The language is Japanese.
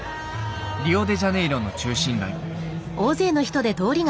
リオデジャネイロの中心街。